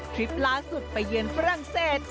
ทริปล้านสุดไปเยียนฝรั่งเศส